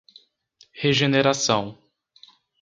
Regeneração